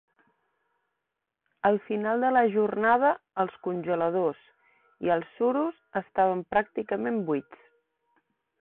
Al final de la jornada els congeladors i els suros estaven pràcticament buits.